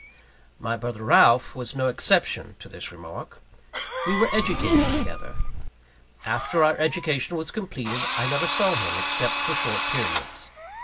My brother Ralph was no exception to this remark. We were educated together. After our education was completed, I never saw him, except for short periods.